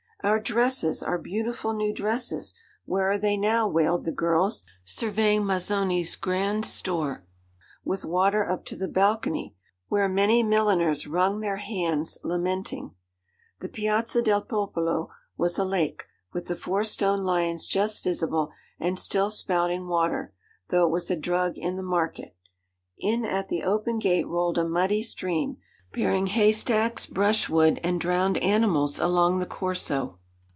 'Our dresses, our beautiful new dresses, where are they now!' wailed the girls, surveying Mazzoni's grand store, with water up to the balcony, where many milliners wrung their hands, lamenting. The Piazza del Popolo was a lake, with the four stone lions just visible, and still spouting water, though it was a drug in the market. In at the open gate rolled a muddy stream, bearing hay stacks, brushwood, and drowned animals along the Corso.